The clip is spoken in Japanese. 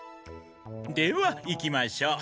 では行きましょう。